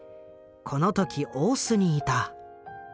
この時大須にいた。